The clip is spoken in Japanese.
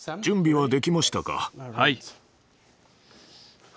はい。